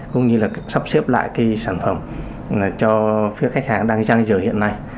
cũng như là sắp xếp lại cái sản phẩm cho phía khách hàng đang dân dưới hiện nay